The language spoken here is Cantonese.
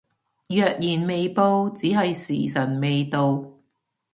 若然未報只係時辰未到